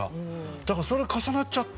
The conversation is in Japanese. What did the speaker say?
だからそれが重なっちゃって。